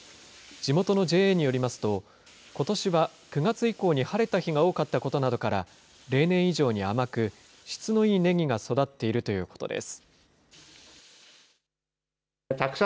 地元のＪＡによりますと、ことしは９月以降に晴れた日が多かったことなどから、例年以上に甘く、質のいいねぎが育っているということです。